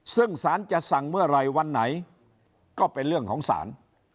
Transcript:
ซึ่งสารจะสั่งเมื่อไหร่วันไหนก็เป็นเรื่องของศาล